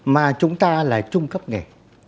mà chúng ta là trung cấp nghề